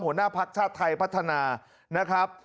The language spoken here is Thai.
หัวหน้าภักดิ์ชาติไทยพัฒนานะครับ